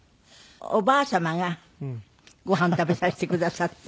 おばあ様がご飯食べさせてくださって。